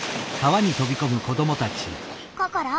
ココロ